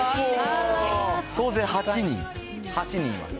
総勢８人、８人います。